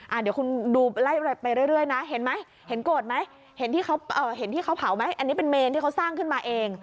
เดี๋ยวคุณดูไล่ไปเรื่อยนะเห็นไหมเห็นโกรธไหมเห็นที่เขาเห็นที่เขาเผาไหมอันนี้เป็นเมนที่เขาสร้างขึ้นมาเอง